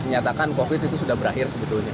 menyatakan covid itu sudah berakhir sebetulnya